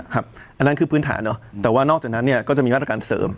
อันนั้นคือพื้นฐานเนอะแต่ว่านอกจากนั้นเนี่ยก็จะมีมาตรการเสริม